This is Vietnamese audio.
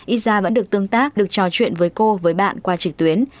ít ra vẫn được tương tác được trò chuyện với cô với bạn qua trực tuyến